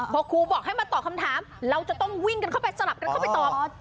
พอครูบอกให้มาตอบคำถามเราจะต้องวิ่งกันเข้าไปสลับกันเข้าไปตอบ